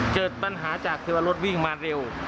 เกิดปัญหาจากที่ว่ารถวิ่งมาเร็ว